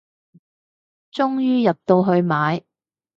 終於入到去買